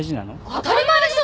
当たり前でしょ！